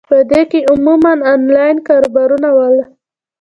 پۀ دې کښې عموماً انلائن کاروبارونو واله ،